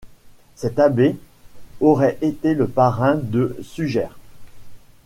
Cet abbé aurait été le parrain de Suger.